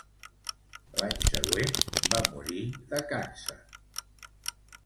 L'any següent, va morir de càncer.